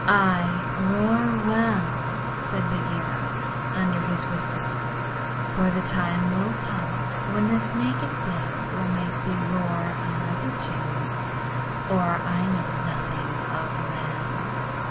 'Ay, roar well,' said Bagheera, under his whiskers; 'for the time comes when this naked thing will make thee roar to another tune, or I know nothing of man.'